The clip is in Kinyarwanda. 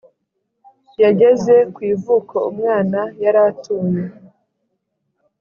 yageze kwivuko umwana yaratuye